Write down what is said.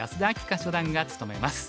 夏初段が務めます。